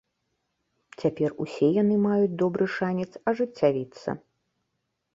Цяпер усе яны маюць добры шанец ажыццявіцца.